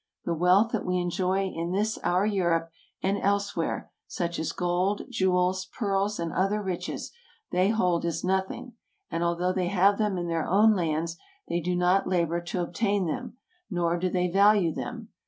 The wealth that we enjoy in this our Europe and elsewhere — such as gold, jewels, pearls, and other riches — they hold as nothing, and although they have them in their own lands they do not labor to obtain them, nor do they value them.